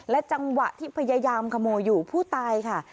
จังหวะที่พยายามขโมยอยู่ผู้ตายค่ะ